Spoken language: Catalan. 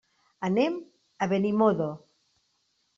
Anem a Benimodo.